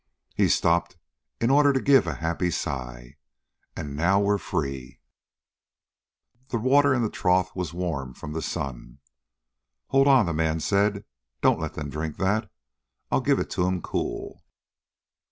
He stopped in order to give a happy sigh. "And now we're free." The water in the trough was warm from the sun. "Hold on," the man said. "Don't let them drink that. I'll give it to them cool."